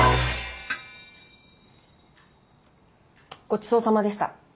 ごちそうさまでした。